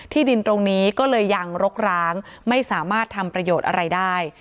ดินตรงนี้ก็เลยยังรกร้างไม่สามารถทำประโยชน์อะไรได้